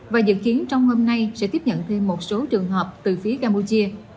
và dự kiến trong hôm nay sẽ tiếp nhận thêm một số trường hợp từ phía campuchia